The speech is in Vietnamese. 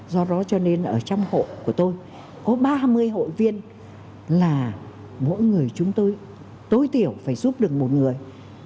do đó cho nên ở trong hộ của tôi có ba mươi hội viên là mỗi người chúng tôi tối tiểu phải giúp được một người